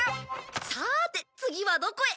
さて次はどこへ。